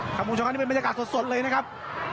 คุณผู้ชมครับนี่เป็นบรรยากาศสดเลยนะครับ